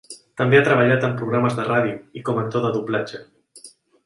També ha treballat en programes de ràdio i com a actor de doblatge.